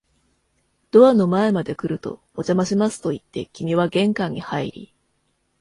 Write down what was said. ドアの前まで来ると、お邪魔しますと言って、君は玄関に入り、